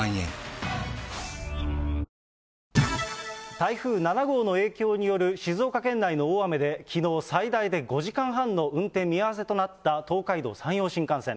台風７号の影響による静岡県内の大雨で、きのう、最大で５時間半の運転見合わせとなった東海道・山陽新幹線。